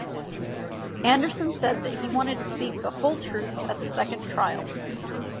Anderson said that he wanted to speak the whole truth at the second trial.